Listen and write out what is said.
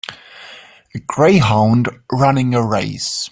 A greyhound running a race.